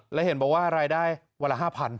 และเห็นบอกว่ารายได้วันละ๕๐๐